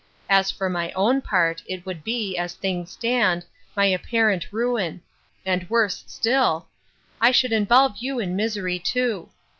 As for my own part, it would be, as things stand, my apparent ruin; and, worse still, I should involve you in misery too.